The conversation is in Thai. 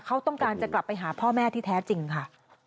เขาต้องการจะกลับไปหาพ่อแม่ที่แท้จริงค่ะ